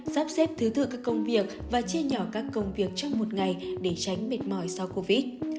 sắp xếp thứ tự các công việc và chia nhỏ các công việc trong một ngày để tránh mệt mỏi sau covid